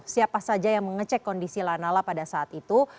siapa saja yang mengecek kondisi lanala pada saat itu